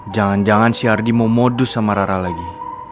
jangan jangan si ardi mau modus sama rara lagi